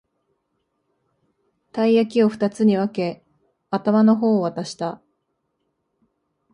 たい焼きをふたつに分け、頭の方を渡した